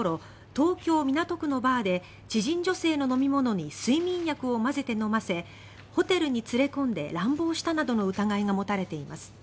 東京・港区のバーで知人女性の飲み物に睡眠薬を混ぜて飲ませホテルに連れ込んで乱暴したなどの疑いが持たれています。